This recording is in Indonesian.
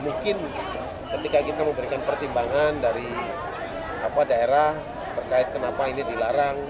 mungkin ketika kita memberikan pertimbangan dari daerah terkait kenapa ini dilarang